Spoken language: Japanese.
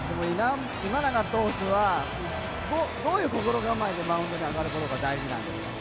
今永投手はどういう心構えでマウンドに上がることが大事なんですか？